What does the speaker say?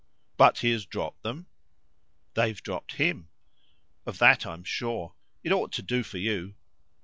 "But he has dropped them?" "They've dropped HIM. Of that I'm sure. It ought to do for you.